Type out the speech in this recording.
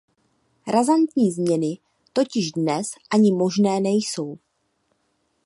Razantní změny totiž dnes ani možné nejsou.